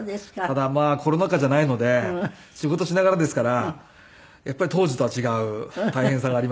ただまあコロナ禍じゃないので仕事しながらですからやっぱり当時とは違う大変さがありまして。